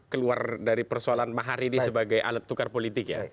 keluar dari persoalan mahar ini sebagai alat tukar politik ya